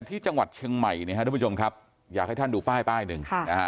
ที่จังหวัดเชียงใหม่นะครับทุกผู้ชมครับอยากให้ท่านดูป้ายป้ายหนึ่ง